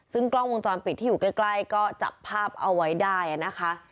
ซึ่งกล้องวงจรปิดที่อยู่ใกล้ก็จับภาพเอาไว้ได้นะคะ